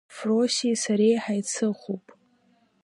Фросиеи сареи ҳаицыхуп.